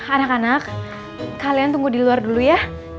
anak anak kalian tunggu di luar dulu ya